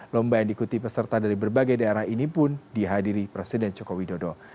lomba yang diikuti peserta dari berbagai daerah ini pun dihadiri presiden joko widodo